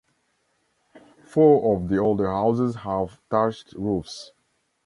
Four of the older houses have thatched roofs.